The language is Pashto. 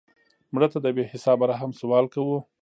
مړه ته د بې حسابه رحم سوال کوو